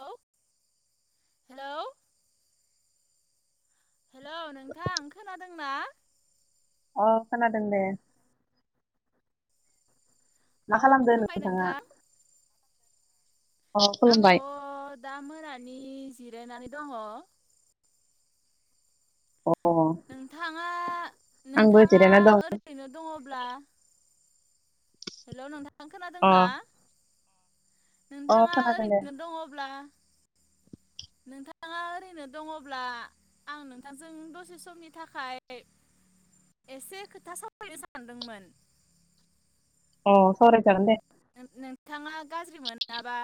Hello hello hello नोंथां खोनादों ना अ खोनादों दे मा अ खालामदो खुलुमबाय नोंथाङा नोंथां आङो दा मोना नि जिरायनानै दङ अ नोंथाङा आंबो नोंथाङा जिरायना दं ओरैनो दङ ब्ला हेल' नोंथां अ खोनादोंना अ नोंथाङा खोनादों दे ओरैनो दङब्ला नोंथाङा ओरैनो दङब्ला आं नोंथांजों दसे समनि थाखाय एसे खोथा सावरायनो सानदोंमोन अ सावरायजागोन दे नोंथाङा गाज्रिमोनाबा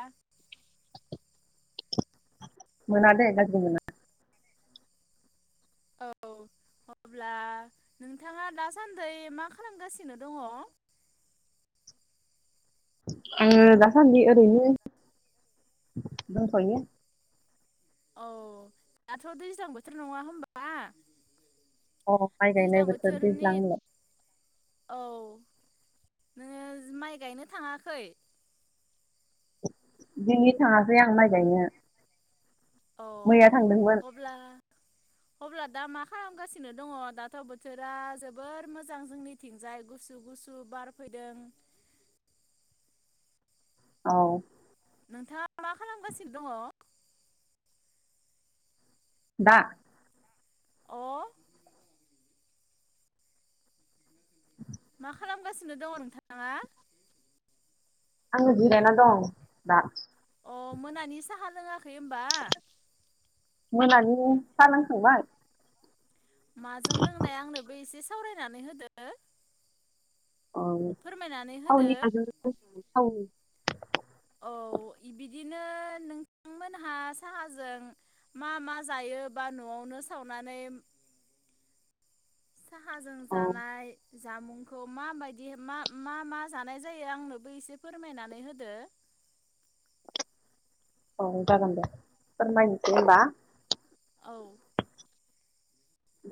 मोना दे गाज्रि मोना औ अब्ला नोंथाङा दासान्दै मा खालामगासिनो दङ आङो दासान्दि ओरैनो दंथ'यो औ दाथ' दैज्लां बोथोर नङा होनबा अ माय गायनाय बोथोर दैज्लां होनलाय औ नोङो माइ गायनो थाङाखै दिनै थाङाखै आं माइ गायनो औ मैया थांदोंमोन अब्ला अब्ला दा मा खालामगासिनो दङ दाथ' बोथोरा जोबोर मोजां जोंनिथिंजाय गुसु गुसु बारफैदों औ नोंथाङा मा खालामगासिनो दङ दा अ मा खालामगासिनो दङ नोंथाङा आङो जिरायना दं दा अ मोनानि साहा लोङाखै खै होमबा मोनानि सा लोंखांबाय माजों लोंनाया आंनोबो एसे सावरायनानै होदो औ फोरमायनानै होदो थावनि आरो [inaudible] थावनि औ एबिदिनो नोंथांमोनहा साहाजों मा मा जायो बा न'आवनो सावनानै साहाजों औ जानाय जामुंखौ माबायदि मा मा जानाय जायो आंनोबो एसे फोरमायनानै होदो औ जागोन दे फोरमायनोसै होमबा औ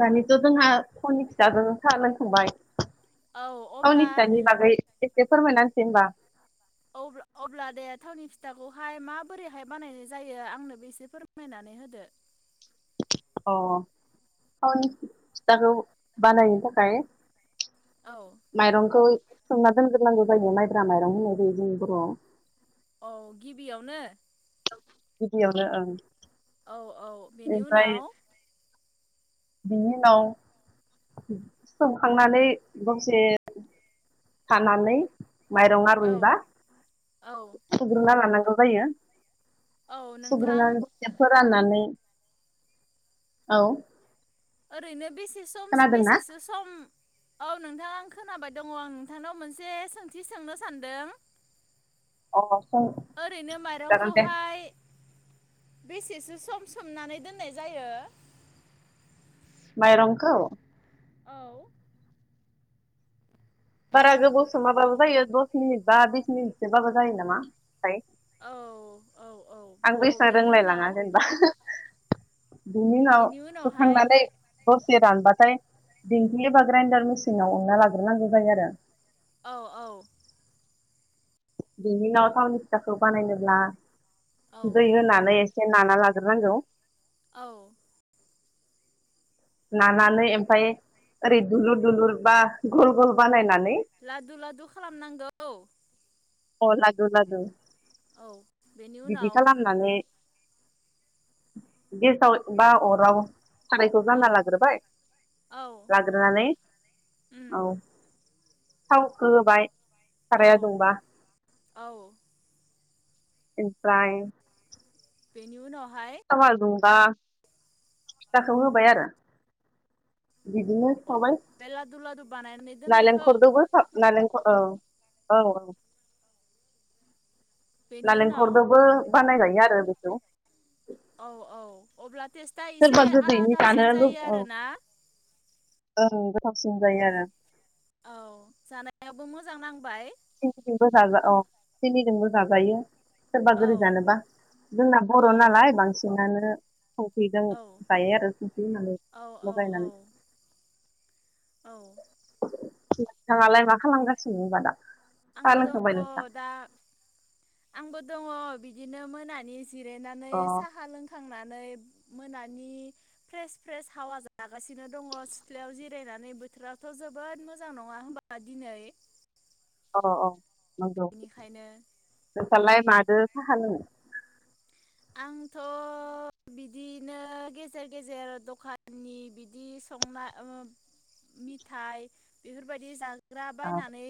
दानिथ' जोंहा थावनि फिथाजों सा लोंखांबाय औ अब्ला थावनि फिथानि बागै एसे फोरमायना होनोसै होनबा अ अब्ला दे थावनि फिथाखौहाय माबोरैहाय बानायनाय जायो आंनोबो एसे फोरमायनानै होदो अ थावनि फिथाखौ बानायनो थाखाय औ माइरंखौ सोमना दोनग्रो नांगौ जायो मायब्रा मायरं होनाय जायो बर'आव औ गिबियावनो गिबियावनो ओं औ औ बेनि ओमफ्राय उनाव बिनि उनाव सोमखांनानै दसे थानानै माइरंआ औ रुयबा औ सुग्रोना लानां स्र जायो। औ नोंथां सुग्रोनानै दसे फोर फोराननानै औ ओरैनो बिसे समसो खोनादोंना बेससो सम औ नोंथां आं खोनाबाय दङ। आं नोंथांनाव मोनसे सोंथि सोंनो सानदों। अ सों ओरैनो जागोन दे माइरंखौहाय बेसेसो सम सोमनानै दोननाय जायो? माइरंखौ? औ बारा गोबाव सोमाबाबो जायो दस मिनिट बा बिस मिनिटसोबाबो जायो नामा थाय। औ औ औ आं औ एसां बेनि उनाव रोंलायलाङा जेनेबा। बेनि उनाव संखांनानै दस रानबाथाय दिंखि एबा ग्रायनडार मेसिनाव उनना लाग्रोनांगौ जायो आरो। औ औ बेनि उनाव थावनि फिथाखौ बानायनो ला औ दै होनानै एसे एसे नाना लाग्रोनांगौ। औ नानानै ओमफ्राय ओरै दुलुर दुलुर बा गल गल बानायनानै लादु लादु खालामनांगौ। अ लादु लादु। औ बेनि बिदि उनाव खालामनानै गेसाव बा अराव सारायखौ औ जानना लाग्रोबाय औ लाग्रोनानै उम औ थावखो होबाय औ साराया दुंबा। औ एमफ्राय बेनि उनाव थावा दुं बा फिथाखौ होबाय आरो। बिदिनो सावबाय बे लादु लादु बानायनानै दोननायखौ नालेंखरदोबो नालेंखर औ औ बेनि उनाव नालेंखरदोबो बानाय जायो आरो बेखौ औ औ अब्ला टेस्टआ एसे सोरबा गोदैनि जानो आलादासिन लु जायो औ आरोना ओं गोथावसिन जायो आरो औ जानायाबो मोजां नांबाय सिनिजोंबो जाजा औ सिंनिजोंबो जाजायो सोरबा औ गोदै जानोबा जोंना बर' औ नालाय बांसिनानो संख्रि जों औ जायो आरो संख्रि होननानै औ औ लगायनानै औ बिथाङालाय मा खालामगासिनोबादा आंबो दङ दा आंबो दङ बिदिनो मोनानि जिरायनानै अ साहा लोंखांनानै नानै मोनानि फ्रेस फ्रेस हावा जागासिनो दङ सिथ्लायाव जिरायनानै बोथोरावाथ' जोबोद मोजां नङा होनबा दिनै अ अ बेनिखायनो फालाय मादो साहा लोङो आंथ' बिदिनो गेजेर गेजेर दखाननि बिदि संनाय ओ मिथाय बेफोरबायदि जाग जाग्रा औ बायनानै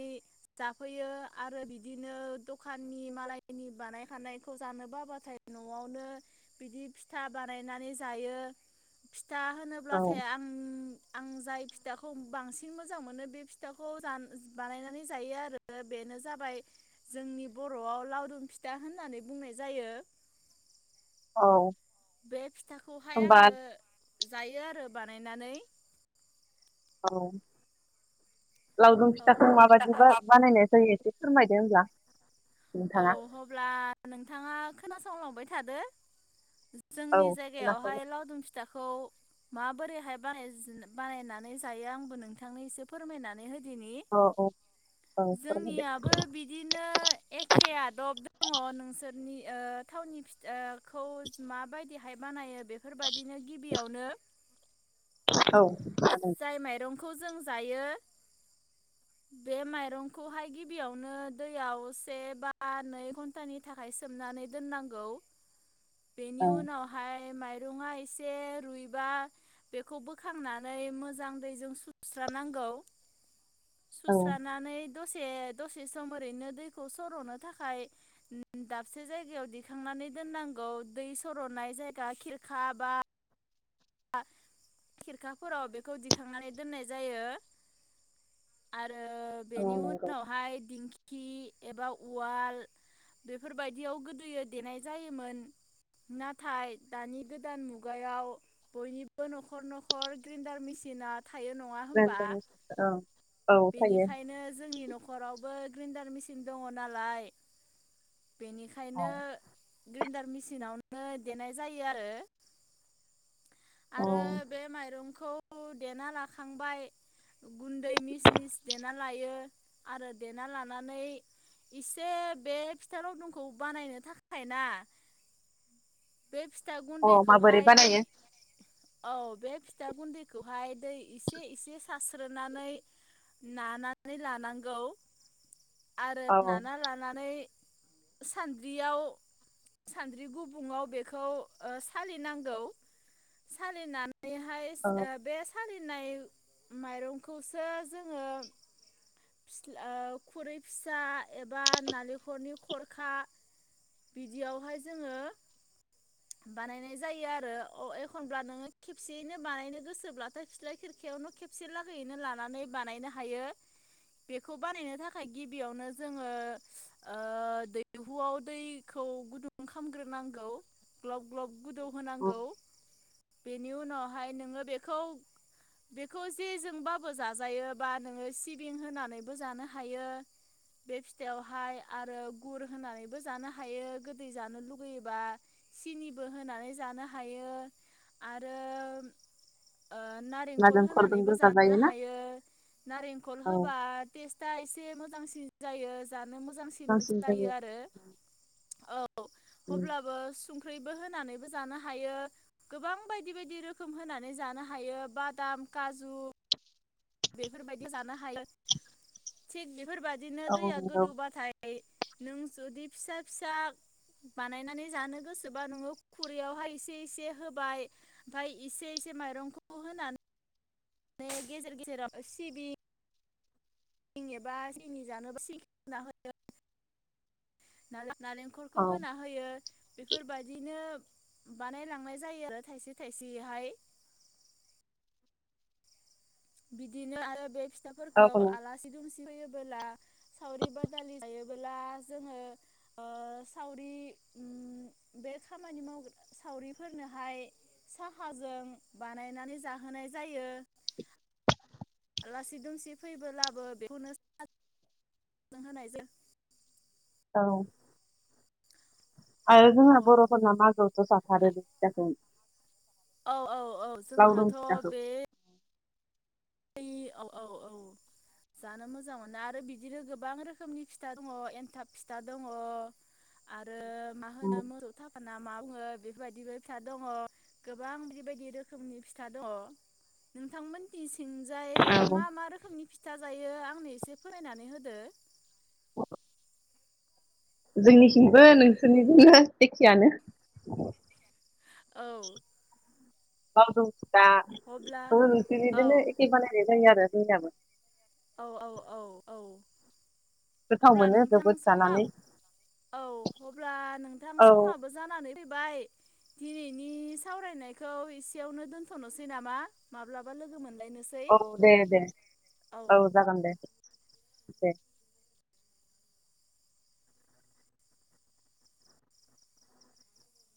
जाफैयो आरो बिदिनो दखाननि मालायनि बानायखायनायखौ जानो बाब्लाथाय न'आवनो बिदि फिथा बानायनानै जायो था औ होनोब्लाथाय आं आं जाय फिथाखौ बांसिन मोजां मोनो बे फिथाखौ बानायनानै जायो आरो बेनो जाबाय जोंनि बर'आव लावदुम फिथा होननानै बुंनाय जायो औ बे फिथाखौहाय होमबा आङो जायो आरो बानायनानै औ लावदुम औ फिथाखौ माबादि बा बानायनाय जायो फोरमायदो होनब्ला औ अब्ला नोंथाङा खोनासंलांबाय थादो औ जोंनि जायगायावहाय खोनासंदो लावदुम फि फिथाखौ माबोरैहाय बानायनानै जायो आंबो नोंथांनो एसे फोरमायनानै हो दिनै औ औ औ फोरमायदो जोंनियाबो बिदिनो एखेया दब दङ नोंसोरनि ओ थावनि फिथा खौज माबाय देहाय मानाय बेफोरबायदिनो गि बेयावनो औ खोनादों जाय माइरं खौ जों जायो बे मायरंखौहाय गिबियावनो दैयाव से बा नै धन्टानि थाखाय सोमनानै दोननांगौ बेनि औ उनावहाय मायरंआ एसे रुयबा बेखौ बोखांनानै मोजां दैजों सुस्र नांगौ। औ सुस्रानानै दसे दसे सम ओरैनो दैखौ सर'नो थाखाय दाबसे जायगायाव दिखांनानै दोननांगौ दै सर'नाय जायगा खिरखा बा खिरखाफोराव बेखौ दिखांनानै दोननाय जायो आरो। आरो बेनि औ उनावहाय दिंखि खि एबा उवाल बेफोरबायदियाव गोदोयो देनाय जायोमोन नाथाय दानि गोदान मुगायाव बयनिबो न'खर न'खर ग्रेन्डार मेसिना थायो नङा होमबा ग्रायेनदार मेसिन औ औ थायो बेनिखायनो जोंनि न'खरावबो ग्रेन्डार मेसिन दङ नालाय औ बेनिखायनो ग्रेन्डार मि मेसिनावनो देनाय जायो आरो। औ आरो बे माइरं खौ देना लाखांबाय गुन्दै मिस सिनिस देना लायो आरो देना लानानै इसे बे फिथा रावदुमखौ बानायनो थाखाय ना? बे फिथा औ माबोरै गुन्दैखौहाय दै बानायो औ बे फिथा गुन्दैखौहाय दै एसे एसे सारस्रोनानै नानानै लानांगौ। आरो औ नाना लानानै सानद्रियाव सानद्रि गुबुङाव बेखौ सालिनांगौ सालिनानै नैहाय औ बे सालिनाय माइरंखौ खो जोङो फिस्ला खुरै फिसा एबा नालेंखरनि खरखा बिदियावहाय जोङो बानायनाय जायो आरो औ एखनब्ला नोङो खेबसेयैनो बानायनो गोसोब्लाथाय फिथ्लााय खिरखायावनो खेबसे लागैयैनो लानानै बानायनो हायो बेखौ बानायनो थाखाय गिबियावनो जोङो ओ दैहुआव दैखौ गुदुं खालाम खामग्रो नांगौ। ग्लब ग्लब गोदौ औ होनांगौ। बेनि उनावहाय नोङो बेखौ बेखौ जे जोंबाबो जाजायोबा नोङो सिबिं होनानैबो जानो हायो बे फिथाइयावहाय आरो गुर होनानैबो जानो हायो गोदै जानो लुगैयोबा। सिनिबो होनानै जानो हायो आरो ओ नारेंखल होनानैबो नालेंखरजोंबो जानो जाजायोना हायो नारेंखल औ होबा टेस्टआ एसे मो मोजांसिन जायो जा मोजांसिन जायो आरो औ उम अब्लाबो संख्रिबो होनानैबो जानो हायो गोबां बायदि बायदि रोखोम होनानै जानो हायो बादाम काजु बेफोरबायदि जानो हायो थिग बेफोर बेफोरबायदिनो औ दैया नंगौ गोदौबाथाय नों जुदि फिसा फिसा बानायनानै जानो गोसोबा नोङो खुरैयावहाय एसे एसे होबाय ओमफ्राय इसे एसे माइरंखौबो होनानै माने गेजेर गेजेराव सिबिं सिं एबा सिंनि जानोबा सिंखि होना होयो [unintelligible] ना नालेंखरखौ औ होना होयो बेफोरबायदिनो बानायलांनाय जायो आरो थाइसे थाइसेहाय बिदिनो आरो बे औ फिथाफोरखौ आलासि दुमसि फैयोबोला सावरि बादालि जायोबोला जोङो ओ सावरि उम बे खामानि माव सावरिफोरनोहाय साहाजों बानायनानै जाहोनाय जायो आलासि दुमसि फैबोलाबो बेखौनो नों होनायजों औ आरो जोंना औ बर'फोरना मागोआवथ' जाथारो बे फिथाखौ औ औ औ लावदुम जोंहाथ' फिथाखौ बे बे औ औ औ जानो मोजां मोनो आरो बिदिनो गोबां रोखोमनि फिथा दङ एन्थाब फिथा दङ आरो मा होनो उम मोसौ थाफा ना मा बुङो बेफोरबायदिबो फिथा दङ गोबां बेबायदि रोखोमनि फिथा दङ नोंथांमोनथिं सिं जाय औ मा मा रोखोमनि फिथा जायो आंनो एसे फोरमायनानै होदो [inaudible] जोंनिथिंबो नोंसोरनिजोंनो एखेयानो औ [inaudible] लावदुम दा अब्ला ओ औ नोंसिनिदोंनो एखे बानायनाय जायो आरो जोंनियाबो औ औ औ औ गोथाव अब्ला मोनो नोंथां जोबोद समा जानानै औ अब्ला नोंथां औ समाबो जानानै फैबाय दिनैनि सावरायनायखौ एसेयावनो दोनथ'नोसै नामा माब्लाबा लोगो मोन औ दे दे औ जागोन दे। दे